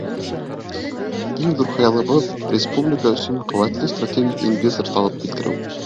Иң ҙур хыялыбыҙ — республика өсөн ҡеүәтле стратегик инвестор табып килтереү.